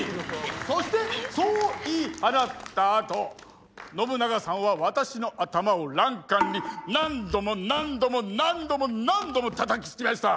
そしてそう言い放ったあと信長さんは私の頭を欄干に何度も何度も何度も何度もたたきつけました。